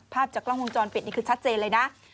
ภาพจากกล้องวงจรปิดนี่คือชัดเจนเลยนะ